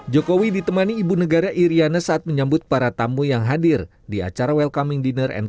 jokowi ditemani ibu negara iryana saat menyambut para tamu yang hadir di acara welcoming dinner and